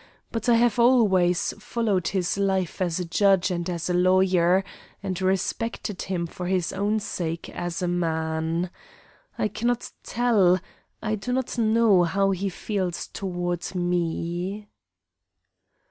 But I have always followed his life as a judge and as a lawyer, and respected him for his own sake as a man. I cannot tell I do not know how he feels toward me."